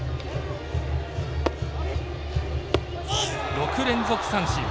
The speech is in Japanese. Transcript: ６連続三振。